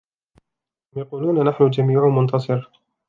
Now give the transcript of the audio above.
أم يقولون نحن جميع منتصر